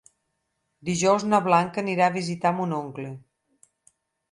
Dijous na Blanca anirà a visitar mon oncle.